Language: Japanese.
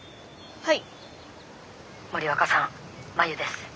はい。